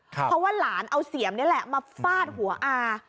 เพราะว่าร้านเอาเสี่ยมนี้มาฟาดหัวอา